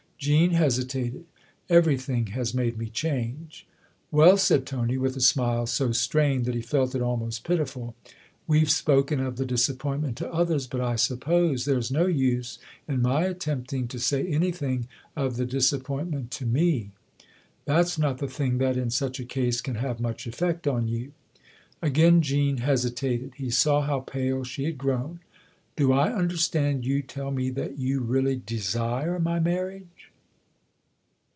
Jean hesitated. " Everything has made me change." " Well," said Tony, with a smile so strained that he felt it almost pitiful, " we've spoken of the dis appointment to others, but I suppose there's no use in my attempting to say anything of the disappoint ment to me. That's not the thing that, in such a case, can have much effect on you." Again Jean hesitated : he saw how pale she had grown. "Do I understand you tell me that you really desire my marriage